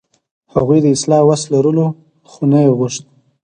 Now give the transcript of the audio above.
هغوی د اصلاح وس لرلو، خو نه یې غوښت.